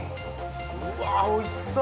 うわおいしそう！